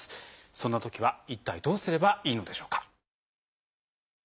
そんなときは一体どうすればいいのでしょうか。